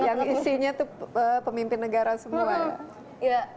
yang isinya itu pemimpin negara semua ya